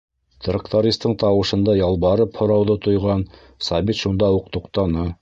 Трактористың тауышында ялбарып һорауҙы тойған Сабит шунда уҡ туҡтаны.